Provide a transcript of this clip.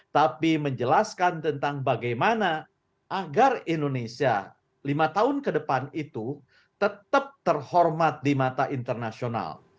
tapi menjelaskan tentang bagaimana agar indonesia lima tahun ke depan itu tetap terhormat di mata internasional